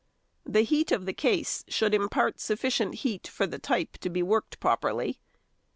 The heat of the case should impart sufficient heat for the type to be worked properly.